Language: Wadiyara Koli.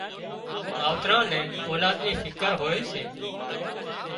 ماوتران نين اولاد نِي فڪر هوئي سي